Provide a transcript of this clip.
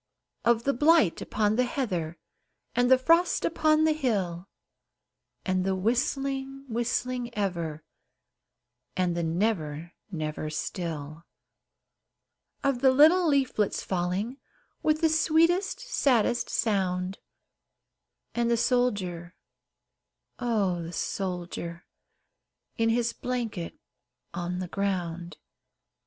Of the blight upon the heather, And the frost upon the hill, And the whistling, whistling ever, And the never, never still; Of the little leaflets falling, With the sweetest, saddest sound And the soldier oh! the soldier, In his blanket on the ground.